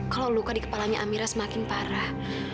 kalau luka di kepalanya amira semakin parah